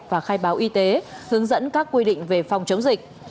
và khai báo y tế hướng dẫn các quy định về phòng chống dịch